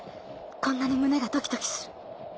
こんなに胸がドキドキする